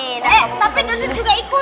eh tapi ganti juga ikut